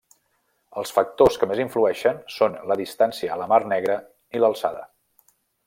Els factors que més influeixen són la distància a la Mar Negra i l'alçada.